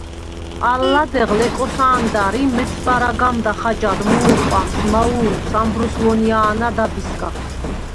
ალ ლადეღ ლეკოსა̄ნდარ ი მებცარ აგმჷდახ აჯახ მუ̄რყვამს მაუ̄ლდს ამბროს ვონია̄ნა დაბისა.